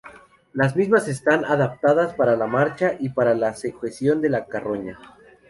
Las mismas están adaptadas para la marcha y para la sujeción de la carroña.